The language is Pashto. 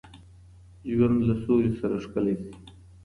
ژوند له سولي سره ښکلی سي